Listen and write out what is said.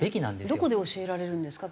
どこで教えられるんですか？